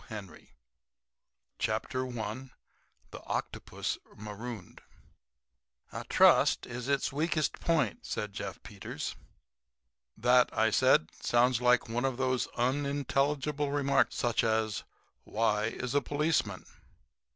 The Ethics of Pig THE OCTOPUS MAROONED "A trust is its weakest point," said Jeff Peters. "That," said I, "sounds like one of those unintelligible remarks such as, 'Why is a policeman?'"